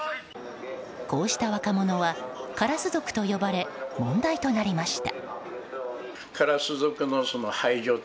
こうした若者はカラス族と呼ばれ問題となりました。